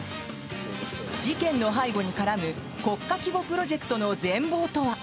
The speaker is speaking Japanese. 事件の背後に絡む国家規模プロジェクトの全ぼうとは？